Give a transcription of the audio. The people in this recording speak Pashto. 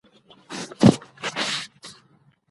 په لاس لیکل د ټولني پر افکارو اغیز کولای سي.